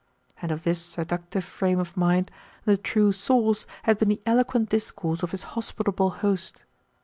And of this seductive frame of mind the true source had been the eloquent discourse of his hospitable host.